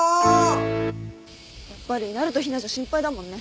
やっぱりなると陽菜じゃ心配だもんね。